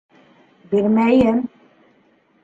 Бирмәйем!